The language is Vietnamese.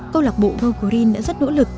câu lạc bộ go green đã rất nỗ lực